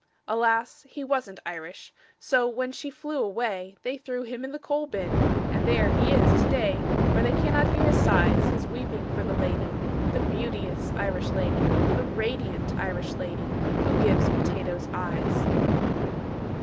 Alas, he wasn't Irish. So when she flew away, They threw him in the coal bin And there he is to day, Where they cannot hear his sighs His weeping for the lady, The beauteous Irish lady, The radiant Irish lady Who gives potatoes eyes."